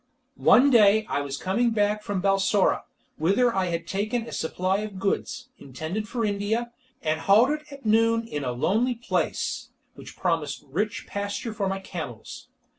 One day I was coming back from Balsora, whither I had taken a supply of goods, intended for India, and halted at noon in a lonely place, which promised rich pasture for my camels.